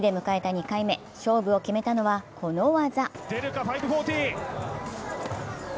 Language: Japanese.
２回目、勝負を決めたのは、この技。